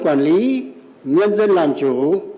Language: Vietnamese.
quản lý nhân dân làm chủ